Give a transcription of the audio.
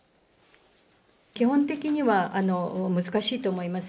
基本的には難しいと思います。